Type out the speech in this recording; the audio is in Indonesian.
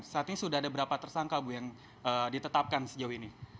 saat ini sudah ada berapa tersangka bu yang ditetapkan sejauh ini